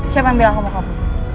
siapa yang bilang aku mau kabur